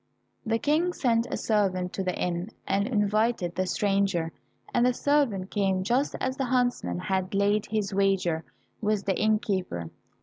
The King sent a servant to the inn, and invited the stranger, and the servant came just as the huntsman had laid his wager with the innkeeper.